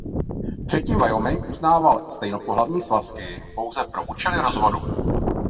Předtím Wyoming uznával stejnopohlavní svazky pouze pro účely rozvodu.